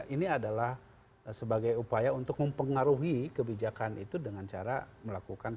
ini adalah sebagai upaya untuk mempengaruhi kebijakan itu dengan cara melakukan